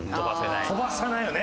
飛ばさないよね。